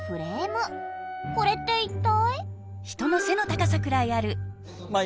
これって一体？